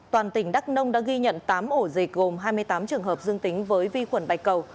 toàn tỉnh đắk nông đã ghi nhận tám ổ dịch gồm hai mươi tám trường hợp dương tính với vi khuẩn bạch cầu